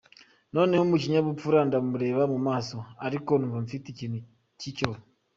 Noneho mu kinyabupfura ndamureba mu maso, ariko numva mfite ikintu cy’icyoba.